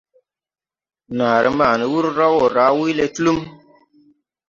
Naaré ma ni wur raw wo raa wuyle Tulum.